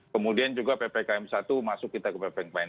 kemudian juga ppkm i masuk kita ke ppkm ii